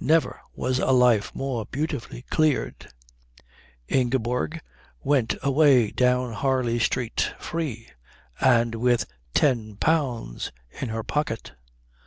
Never was a life more beautifully cleared. Ingeborg went away down Harley Street free, and with ten pounds in her pocket.